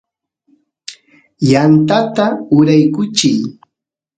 yantata uraykuchiy